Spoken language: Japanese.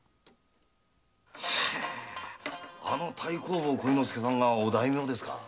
あの太公望鯉之助さんがお大名ですか。